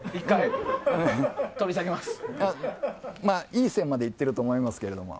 いい線までいっていると思いますけど。